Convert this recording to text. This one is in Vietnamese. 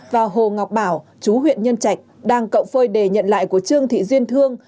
và hồ ngọc bảo chú huyện nhân trạch đang cậu phơi đề nhận lại của trương thị duyên thương